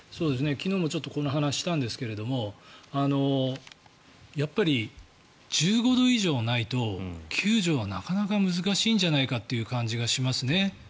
昨日もこの話したんですがやっぱり、１５度以上ないと救助はなかなか難しいんじゃないかという気がしますね。